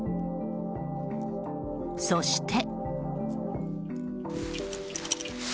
そして。